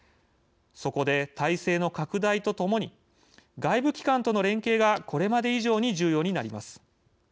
そこで体制の拡大とともに外部機関との連携がこれまで以上に重要になります。